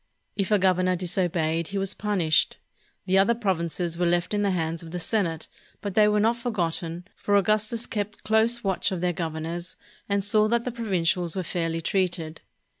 If a governor disobeyed, he was punished. The other provinces were left in the hands of the senate, but they were not forgotten, for Augustus kept close watch of their governors and saw that the provincials were fairly treated.